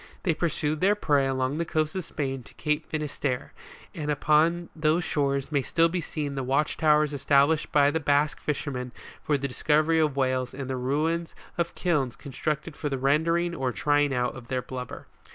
They pursued their prey along the coasts of Spain to Cape Finistere, and upon those shores rnay slill be seen the watch towers established by the Basque fishermen for the dis covery of whales, and the ruins of 'kilns constructed for the rendering or " trying out " their blubber.